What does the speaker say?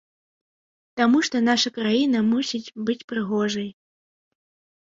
Таму што наша краіна мусіць быць прыгожай.